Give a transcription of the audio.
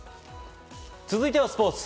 続いては、スポーツ。